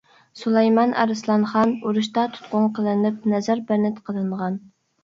سۇلايمان ئارسلانخان ئۇرۇشتا تۇتقۇن قىلىنىپ، نەزەربەند قىلىنغان.